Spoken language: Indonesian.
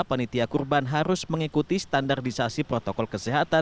pemotongan hewan kurban harus mengikuti standar disasi protokol kesehatan